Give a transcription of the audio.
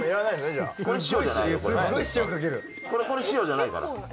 これ、塩じゃないから。